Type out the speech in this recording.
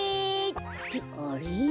ってあれ？